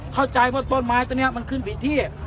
เข้าใจว่าต้นไม้ต้นนี้มันขึ้นผิดที่